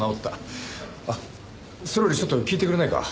あっそれよりちょっと聞いてくれないか？